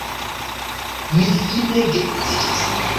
Ni fine geedziĝis.